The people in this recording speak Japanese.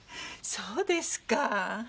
そうですか。